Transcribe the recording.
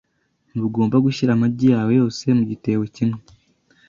Ntugomba gushyira amagi yawe yose mu gitebo kimwe.